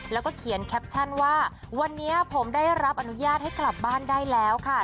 แล้วก็เขียนแคปชั่นว่าวันนี้ผมได้รับอนุญาตให้กลับบ้านได้แล้วค่ะ